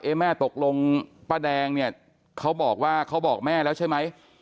แม่ตกลงป้าแดงเนี่ยเขาบอกว่าเขาบอกแม่แล้วใช่ไหม